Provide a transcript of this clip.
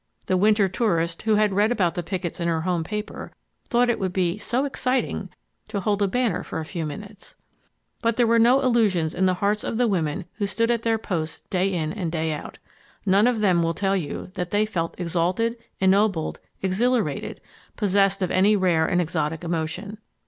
The winter tourist who had read about the pickets in her home paper thought it would be "so exciting" to hold a banner for a few minutes. But there were no illusions in the hearts of the women who stood at their posts day in and day out. None of them will tell you that they felt exalted, ennobled, exhilarated, possessed of any rare and exotic emotion.